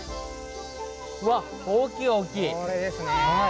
うわ、大きい大きい！